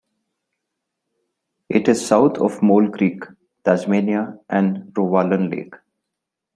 It is south of Mole Creek, Tasmania, and Rowallan Lake.